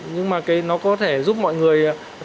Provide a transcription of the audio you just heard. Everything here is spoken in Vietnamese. nhưng mà nó có thể giúp mọi người thay đổi